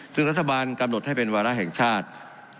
ซึ่งรัฐบาลกำหนดให้เป็นวาระแห่งชาติ